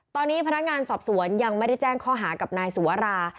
ตอนนี้พนักงานสอบสวนยังไม่ได้แจ้งข้อหากับนายสุวรา